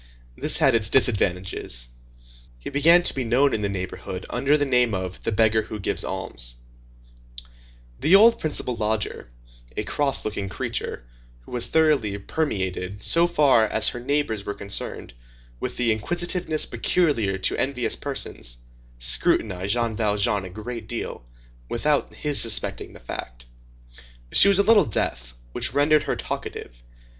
This had its disadvantages. He began to be known in the neighborhood under the name of the beggar who gives alms. The old principal lodger, a cross looking creature, who was thoroughly permeated, so far as her neighbors were concerned, with the inquisitiveness peculiar to envious persons, scrutinized Jean Valjean a great deal, without his suspecting the fact. She was a little deaf, which rendered her talkative.